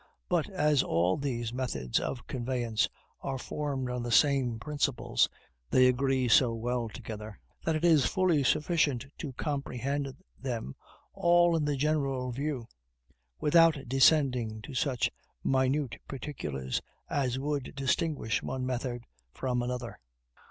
But, as all these methods of conveyance are formed on the same principles, they agree so well together, that it is fully sufficient to comprehend them all in the general view, without descending to such minute particulars as would distinguish one method from another.